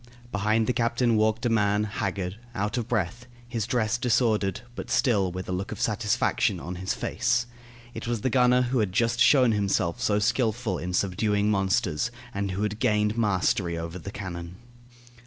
Behind the captain walked a man, haggard, out of breath, his dress disordered, but still with a look of satisfaction on his face. It was the gunner who had just shown himself so skilful in subduing monsters, and who had gained the mastery over the cannon.